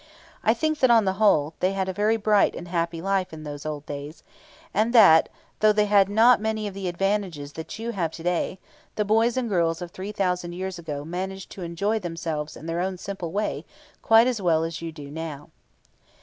I think that, on the whole, they had a very bright and happy life in these old days, and that, though they had not many of the advantages that you have to day, the boys and girls of three thousand years ago managed to enjoy themselves in their own simple way quite as well as you do now.